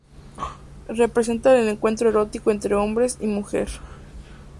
Representan el encuentro erótico entre hombre y mujer.